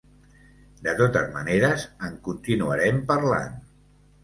De totes maneres, en continuarem parlant.